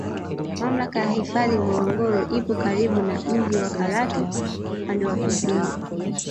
Mamlaka ya hifadhi Ngorongoro ipo karibu na mji wa Karatu kwa upande wa kusini